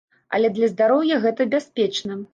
Але для здароўя гэта бяспечна.